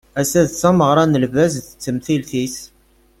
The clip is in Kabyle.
Ass-a d tameɣra n lbaz d temtilt-is.